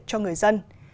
cho người dân